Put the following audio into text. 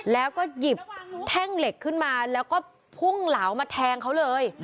แล้วก็หยิบแท่งเหล็กขึ้นมาแล้วก็พุ่งเหลามาแทงเขาเลย